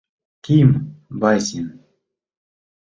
Ким ВАСИН